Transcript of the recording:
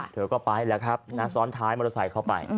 เธอก็ไปแล้วครับนะซ้อนท้ายมอเตอร์ไซค์เข้าไป